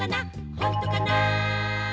ほんとかな？